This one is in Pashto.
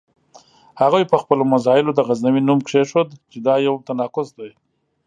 هغوی په خپلو مزایلو د غزنوي نوم کېښود چې دا یو تناقض دی.